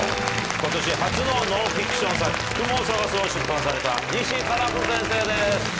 今年初のノンフィクション作『くもをさがす』を出版された西加奈子先生です。